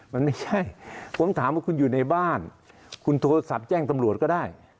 มันไม่ใช่ผมถามว่าคุณอยู่ในบ้านคุณโทรศัพท์แจ้งตำรวจก็ได้